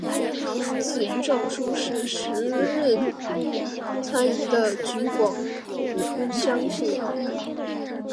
此一诏书是时任参议的橘广相所拟。